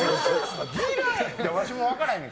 わしも分からへんねん。